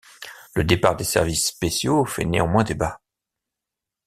Le départ des services spéciaux fait néanmoins débat.